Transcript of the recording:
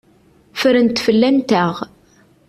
Ffrent fell-anteɣ.